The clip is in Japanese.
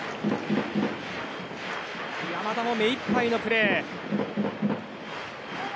山田も目いっぱいのプレー。